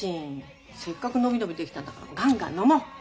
せっかく伸び伸びできたんだからガンガン飲もう。